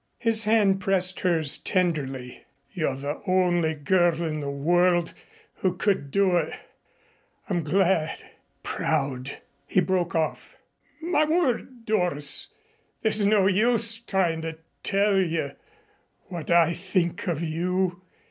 His hand pressed hers tenderly. "You're the only girl in the world who could do it. I'm glad proud " He broke off. "My word, Doris! There's no use tryin' to tell you what I think of you.